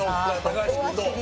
橋君どう？